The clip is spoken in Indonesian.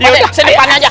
pak deh sedepan aja